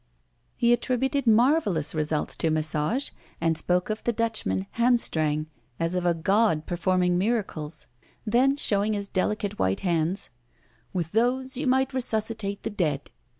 He attributed marvelous results to massage, and spoke of the Dutchman Hamstrang as of a god performing miracles. Then, showing his delicate white hands: "With those, you might resuscitate the dead."